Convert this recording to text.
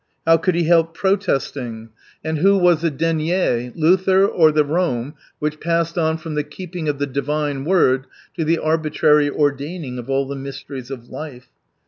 How could he help protesting ? 207 And who was the denier, Luthec, or the Rome which passed on from the keeping of the Divine Word to the arbitrary ordain ing of all the mysteries of life